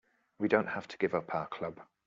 We don't have to give up our club.